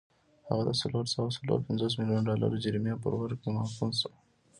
هغه د څلور سوه څلور پنځوس میلیونه ډالرو جریمې پر ورکړې محکوم شو.